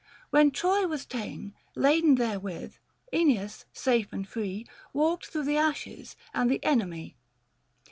When Troy was ta'en, 455 Laden therewith, iEneas, safe and free, Walked thro' the ashes and the enemy.